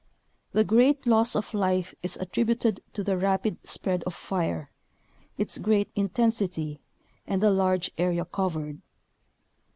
The great loss of life is attributed to the rapid spread of fire, its great intensity, and the large area covered.